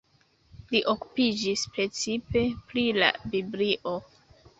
Li okupiĝis precipe pri la Biblio.